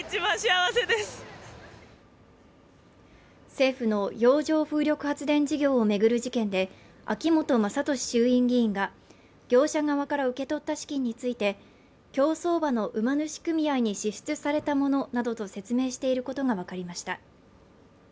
政府の洋上風力発電事業を巡る事件で秋本真利衆院議員が業者側から受け取った資金について競走馬の馬主組合に支出されたものなどと説明していることが分かりました